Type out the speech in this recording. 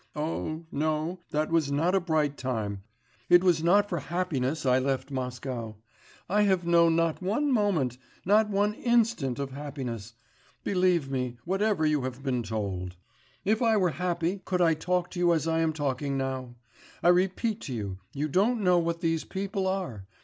Oh, no, that was not a bright time, it was not for happiness I left Moscow; I have known not one moment, not one instant of happiness ... believe me, whatever you have been told. If I were happy, could I talk to you as I am talking now.... I repeat to you, you don't know what these people are....